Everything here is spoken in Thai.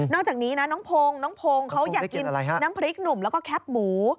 จากนี้นะน้องพงน้องพงศ์เขาอยากกินน้ำพริกหนุ่มแล้วก็แคปหมู